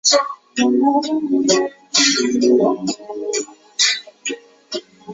他的钢琴演奏风格深受古典音乐和福音音乐的影响。